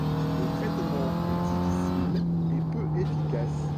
Le traitement est difficile et peu efficace.